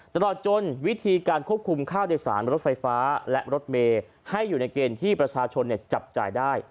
ตลอดจนวิธีการควบคุมค่าโดยสารรถไฟฟ้าและรถเมย์ให้อยู่ในเกณฑ์ที่ประชาชนจับจ่ายได้